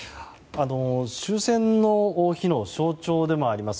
終戦の日の象徴でもあります